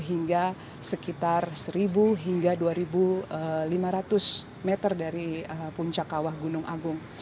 hingga sekitar seribu hingga dua lima ratus meter dari puncak kawah gunung agung